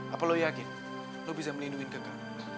apa lo yakin lo bisa melindungi gek ke